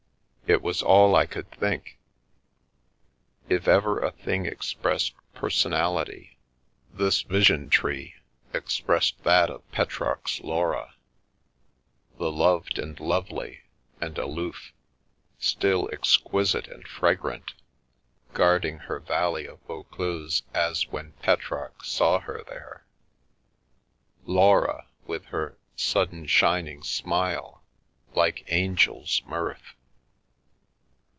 It was all I could think. If ever a thing expressed personality, this vision tree expressed that of Petrarch's Laura, the loved and lovely, and aloof; still exquisite and fragrant, guarding her valley of Vaucluse as when Petrarch saw her there ; Laura, with her "sudden shining smile, like angels' mirth."